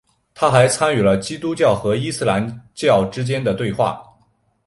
他还参与了基督教和伊斯兰教之间的对话。